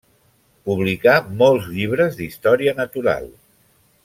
Publicà molts llibres d’història natural.